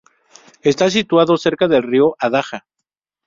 Está situado cerca del río Adaja.